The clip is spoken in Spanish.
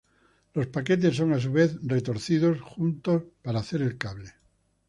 Los paquetes son a su vez retorcidos juntos para hacer el cable.